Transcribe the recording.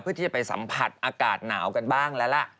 เพื่อที่จะไปสัมผัสอากาศหนาวกันบ้างแล้วล่ะ